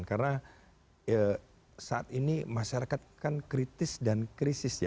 karena saat ini masyarakat kan kritis dan krisis ya